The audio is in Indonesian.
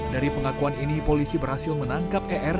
dari pengakuan ini polisi berhasil menangkap er